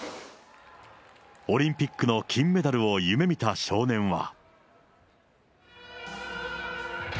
オリンピックの金メダルを夢みた少年は。